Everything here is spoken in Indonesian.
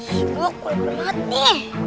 sibuk malam mati